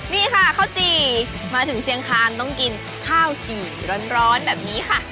นี่ค่ะข้าวจี่มาถึงเชียงคานต้องกินข้าวจี่ร้อนแบบนี้ค่ะ